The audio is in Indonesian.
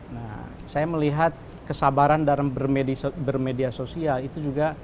nah saya melihat kesabaran dalam bermedia sosial itu juga